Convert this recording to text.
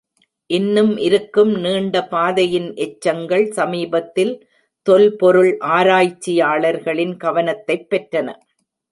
இன்னும் இருக்கும் நீண்ட பாதையின் எச்சங்கள் சமீபத்தில் தொல்பொருள் ஆராய்ச்சியாளர்களின் கவனத்தைப் பெற்றன.